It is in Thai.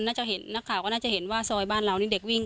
น่าจะเห็นนักข่าวก็น่าจะเห็นว่าซอยบ้านเรานี่เด็กวิ่ง